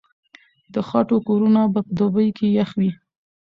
د خټو کورونه په دوبي کې يخ وي.